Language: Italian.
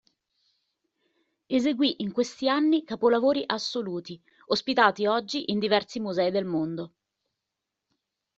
Eseguì in questi anni capolavori assoluti ospitati oggi in diversi musei nel mondo.